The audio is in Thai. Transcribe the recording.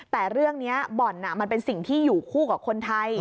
แต่เรื่องนี้บ่อนมันเป็นสิ่งที่อยู่คู่กับคนไทย